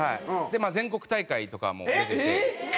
全国大会とかも出てて。